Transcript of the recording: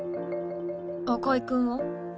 赤井君は？